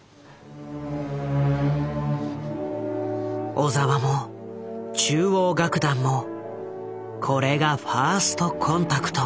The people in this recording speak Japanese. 小澤も中央楽団もこれがファーストコンタクト。